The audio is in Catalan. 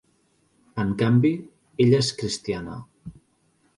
En canvi, ella és cristiana.